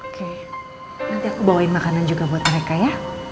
oke nanti aku bawain makanan juga buat mereka ya